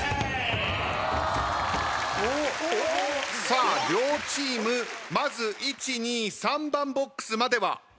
さあ両チームまず１２３番ボックスまでは同じです。